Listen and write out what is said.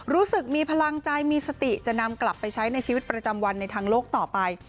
รู้สึกมีพลังใจมีสติจะนำกลับไปใช้ในชีวิตประจำวันในทางโลกต่อไป